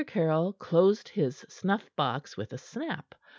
Caryll closed his snuff box with a snap.